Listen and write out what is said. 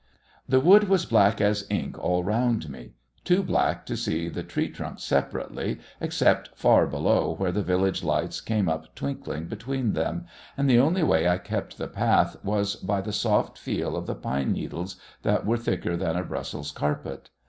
The wood was black as ink all round me, too black to see the tree trunks separately, except far below where the village lights came up twinkling between them, and the only way I kept the path was by the soft feel of the pine needles that were thicker than a Brussels carpet.